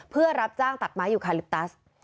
เพื่อรับจ้างตัดไม้อยู่คาลิปตัส